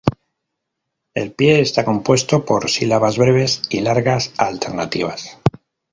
El pie está compuesto por sílabas breves y largas alternativas.